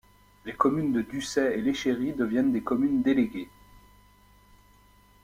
Les communes de Ducey et Les Chéris deviennent des communes déléguées.